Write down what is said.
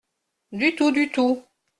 Du tout… du tout…